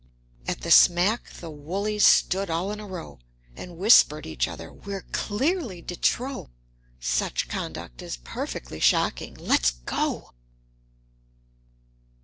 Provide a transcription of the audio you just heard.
At the smack the woolies stood all in a row, And whispered each other, "We're clearly de trop; Such conduct is perfectly shocking let's go!"